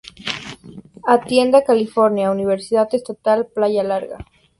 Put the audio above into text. Atienda California Universidad Estatal, Playa Larga.